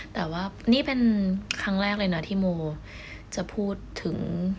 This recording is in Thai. แต่ว่านี่เป็นครั้งแรกเลยนะที่โมจะพูดถึง